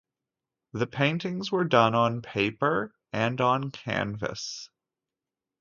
The paintings were done on paper and on canvas.